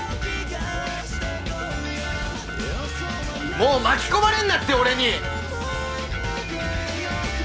もう巻き込まれんなって俺に！